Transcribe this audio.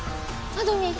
あどミン！